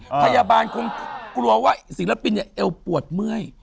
พยาบาลคงกลัวว่าศิลปินเนี่ยเอวปวดเมื่อย